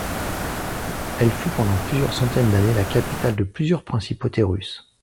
Elle fut pendant plusieurs centaines d'années la capitale de plusieurs principautés russes.